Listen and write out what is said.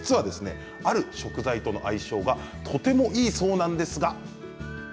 ある食材との相性がとてもいいそうです。